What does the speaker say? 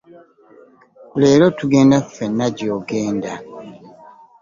Leero tugenda ffena gy'ogenda.